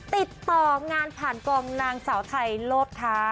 ติดต่องานผ่านกองนางสาวไทยโลภ้า